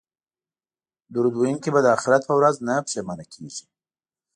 درود ویونکی به د اخرت په ورځ نه پښیمانه کیږي